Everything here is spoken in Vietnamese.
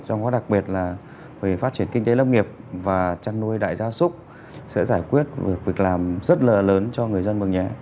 trong đó đặc biệt là về phát triển kinh tế lâm nghiệp và chăn nuôi đại gia súc sẽ giải quyết việc làm rất là lớn cho người dân mường nhé